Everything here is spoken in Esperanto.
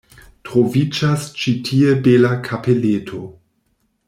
Troviĝas ĉi tie bela kapeleto.